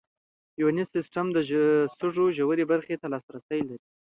یوني سیسټم د سږو ژورې برخې ته لاسرسی لري.